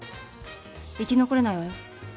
生き残れないわよ。